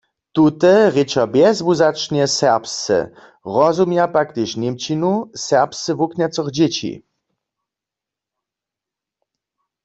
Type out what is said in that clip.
Tute rěča bjezwuwzaćnje serbsce, rozumja pak tež němčinu serbsce wuknjacych dźěći.